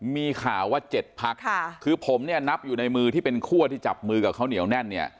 มีข่าวว่า๗พักคือผมเนี่ยนับอยู่ในมือที่เป็นคั่วที่จับมือกับเขาเหนียวแน่นเนี่ย